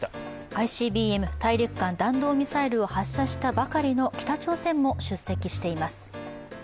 ＩＣＢＭ＝大陸間弾道ミサイルを発射したばかりの北朝鮮も出席しています。